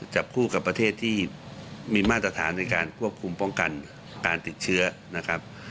จับคู่กับประเทศที่มีมาตรฐานในการควบคุมป้องกันการติดเชื้อนะครับ